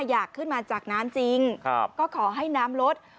อยากขึ้นมาจากน้ำจริงก็ขอให้น้ำลด